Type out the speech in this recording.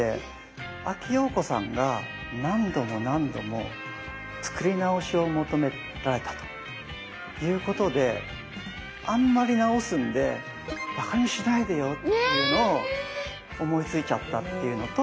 阿木燿子さんが何度も何度も作り直しを求められたということであんまり直すんで馬鹿にしないでよっていうのを思いついちゃったっていうのと。